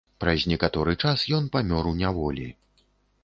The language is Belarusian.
Праз некаторы час ён памёр у няволі.